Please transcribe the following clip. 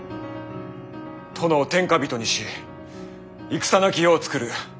殿を天下人にし戦なき世を作る。